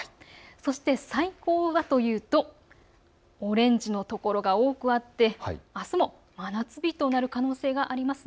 そして最高はというとオレンジの所が多くあって、あすも真夏日となる可能性があります。